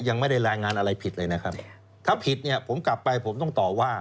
ยังไม่ได้รายงานอะไรผิดเลยนะครับถ้าผิดเนี่ยผมกลับไปผมต้องต่อว่า